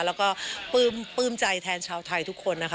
แล้วก็ปลื้มใจแทนชาวไทยทุกคนนะคะ